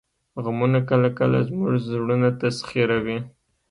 غمونه کله کله زموږ زړونه تسخیروي